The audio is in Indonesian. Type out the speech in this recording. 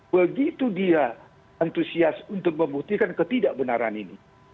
begitu dia antusias untuk membuktikan ketidakbenaran ini